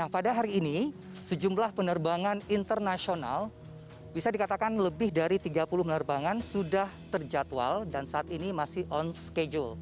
pada hari ini sejumlah penerbangan internasional bisa dikatakan lebih dari tiga puluh penerbangan sudah terjadwal dan saat ini masih on schedule